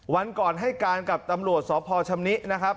วันก่อนให้การกับตำรวจสพชำนินะครับ